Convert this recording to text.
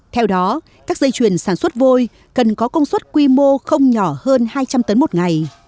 theo đó các dây chuyền sản xuất vôi cần có công suất quy mô không nhỏ hơn hai trăm linh tấn một ngày